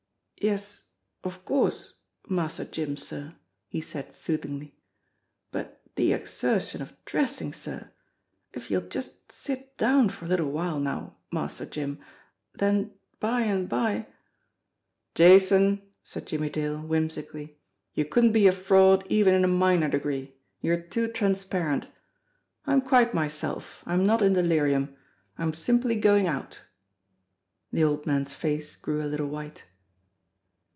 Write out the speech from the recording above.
"Yes, of course, Master Jim, sir," he said soothingly. "But the exertion of dressing, sir if you'll just sit down for a little while now, Master Jim, then by and by " "Jason," said Jimmie Dale, whimsically, "you couldn't be a fraud even in a minor degree you're too transparent. I'm quite myself. I'm not in delirium. I'm simply going out." The old man's face grew a little white.